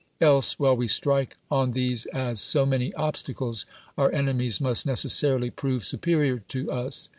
Else, while we strike on these ;is s.) many obstacles, our enemies must neee< ;;n'ily !>i'o\ e su[)erior to us.